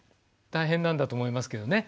大変なんだと思いますけどね。